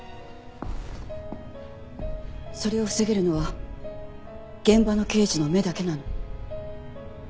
それを防げるのは現場の刑事の目だけなの。